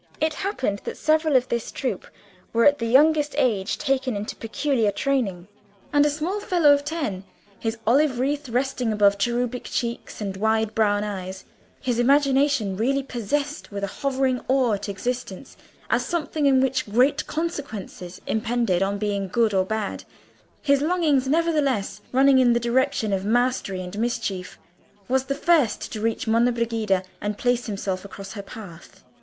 It happened that several of this troop were at the youngest age taken into peculiar training; and a small fellow of ten, his olive wreath resting above cherubic cheeks and wide brown eyes, his imagination really possessed with a hovering awe at existence as something in which great consequences impended on being good or bad, his longings nevertheless running in the direction of mastery and mischief, was the first to reach Monna Brigida and place himself across her path.